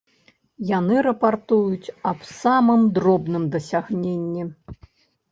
Яны рапартуюць аб самым дробным дасягненні.